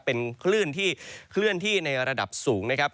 เป็นคลื่นที่ในระดับสูงนะครับ